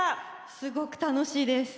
すごく楽しいです。